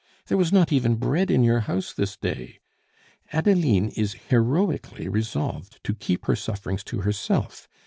There was not even bread in your house this day. "Adeline is heroically resolved to keep her sufferings to herself.